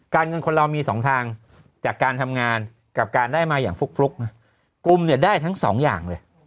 เงินคนเรามีสองทางจากการทำงานกับการได้มาอย่างฟลุกนะกลุ่มเนี่ยได้ทั้งสองอย่างเลย